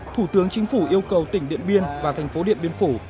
thủ tướng chính phủ yêu cầu tỉnh điện biên và thành phố điện biên phủ